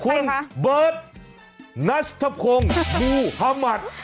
คุณเบิร์ตนัชทัพพงค์ภูฮะหมัด